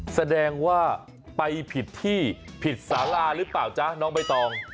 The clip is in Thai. แสดงว่าไปผิดที่ผิดสาราหรือเปล่าจ๊ะน้องใบตอง